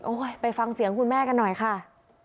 ไปฟังเสียงคุณแม่กันหน่อยค่ะ